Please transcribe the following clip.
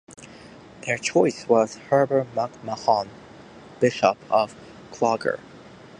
Their choice was Heber MacMahon, Bishop of Clogher.